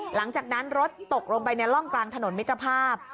หลังจากนั้นรถตกลงไปในร่องกลางถนนมิตรภาพ